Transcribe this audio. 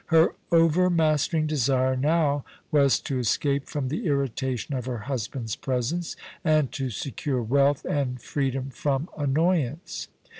Her overmastering desire now was to escape from the irritation of her husband's presence, and to secure wealth and freedom from annoy ance.